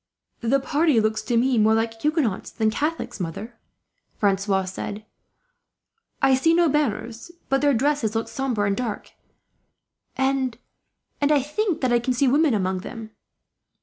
"The party look to me more like Huguenots than Catholics, mother," Francois had said. "I see no banners; but their dresses look sombre and dark, and I think that I can see women among them."